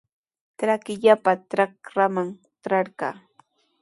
Trakillapa trakraman trarqaa.